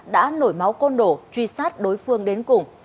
đã nổi máu côn đổ truy sát đối phương đến cùng